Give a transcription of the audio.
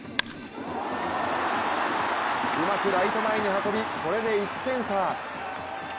うまくライト前に運びこれで１点差。